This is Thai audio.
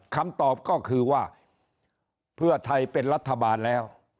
คำตอบก็คือว่าเพื่อไทยเป็นรัฐบาลแล้ว